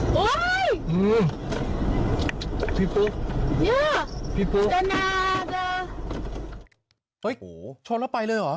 อืมอุ๊ยพี่ปุ๊กเนี่ยพี่ปุ๊กเฮ้ยโอ้โหชนแล้วไปเลยเหรอ